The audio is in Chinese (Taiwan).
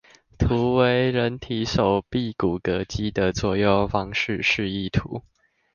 圖為人體手臂骨骼肌的作用方式示意圖